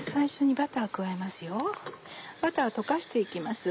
バター溶かして行きます。